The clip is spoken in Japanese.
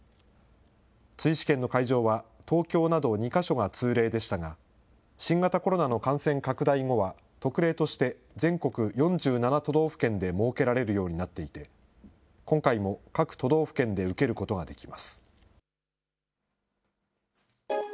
追試験の会場は東京など２か所が通例でしたが、新型コロナの感染拡大後は、特例として全国４７都道府県で設けられるようになっていて、今回も各都道府県で受けることができます。